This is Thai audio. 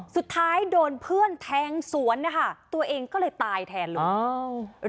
สุดท้ายโดนเพื่อนแทงสวนนะคะตัวเองก็เลยตายแทนเลย